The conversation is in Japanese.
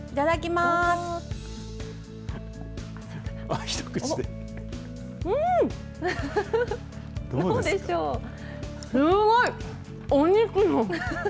すーごい、お肉の。